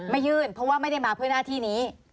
ยื่นเพราะว่าไม่ได้มาเพื่อหน้าที่นี้